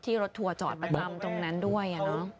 รถทัวร์จอดประจำตรงนั้นด้วย